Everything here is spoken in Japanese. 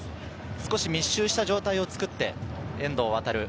少し密集した状態を作って遠藤航。